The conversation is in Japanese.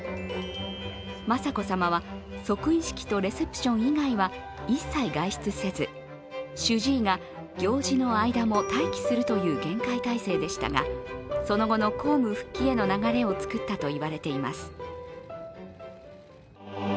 雅子さまは、即位式とレセプション以外は一切外出せず主治医が行事の間も待機するという厳戒態勢でしたがその後の公務復帰への流れを作ったといわれています。